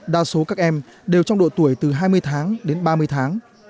đa số các em đều trong độ tuổi từ hai mươi tháng đến ba mươi tháng